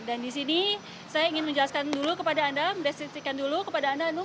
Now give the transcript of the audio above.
dan di sini saya ingin menjelaskan dulu kepada anda mendestrikan dulu kepada anda hanum